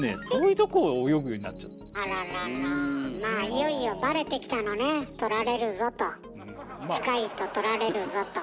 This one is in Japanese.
いよいよバレてきたのね取られるぞと。